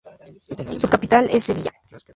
Su capital es Sevilla.